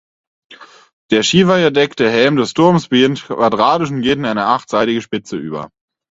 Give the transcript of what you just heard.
Der schiefergedeckte Helm des Turms beginnt quadratisch und geht in eine achtseitige Spitze über.